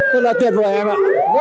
rất là tuyệt vời em ạ rất là tuyệt vời